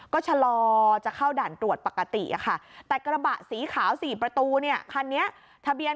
ก็ชะลอจะเข้าด่านตรวจประกาศนะคะแต่กระบะสีขาวสีประตูเนี่ย